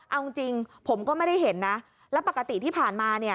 เอาจริงผมก็ไม่ได้เห็นนะแล้วปกติที่ผ่านมาเนี่ย